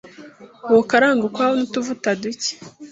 uwukarange ukwawo n’utuvuta duke